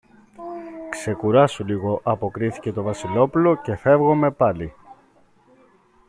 Ξεκουράσου λίγο, αποκρίθηκε το Βασιλόπουλο, και φεύγομε πάλι.